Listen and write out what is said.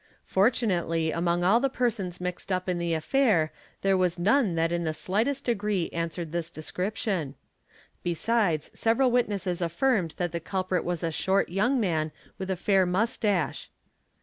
Fortunately among all the persons mixed up in the ' affair there was none that in the slightest degree answered this descrip tion; besides several witnesses affirmed that the culprit was a short _ young man with a fair moustache.